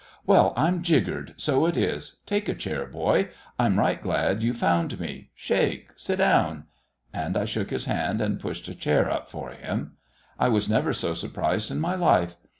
Well, I'm jiggered. So it is. Take a chair, boy. I'm right glad you found me. Shake! Sit down." And I shook his hand and pushed a chair up for him. I was never so surprised in my life.